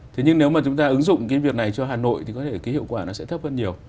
thế nhưng nếu mà chúng ta ứng dụng cái việc này cho hà nội thì có thể cái hiệu quả nó sẽ thấp hơn nhiều